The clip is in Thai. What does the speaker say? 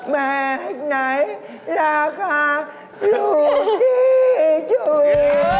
แม่ไหนล่าค่ารู้ดีจุด